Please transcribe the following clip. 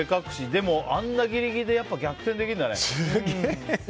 でもあんなギリギリで逆転できるんだね。